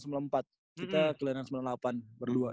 kita keliaran sembilan puluh delapan berdua